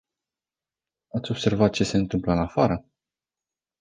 Ați observat ce se întâmplă în afară?